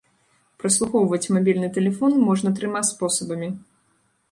Праслухоўваць мабільны тэлефон можна трыма спосабамі.